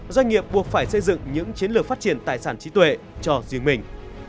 doanh nghiệp buộc phải xây dựng những chiến lược phát triển tài sản trí tuệ cho riêng mình